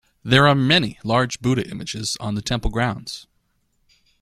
There are many large Buddha images on the temple grounds.